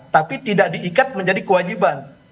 tapi tidak diikat menjadi kewajiban